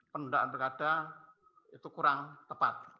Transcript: penundaan pilkada itu kurang tepat